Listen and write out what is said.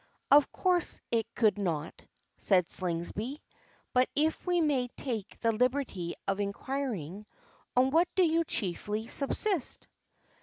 "Of course it could not," said Slingsby. "But, if we may take the liberty of inquiring, on what do you chiefly subsist?"